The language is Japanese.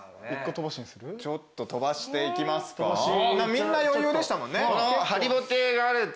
みんな余裕でしたもんね。